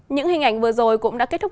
những hình ảnh vừa rồi cũng đã kết thúc